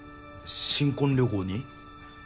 新婚旅行に？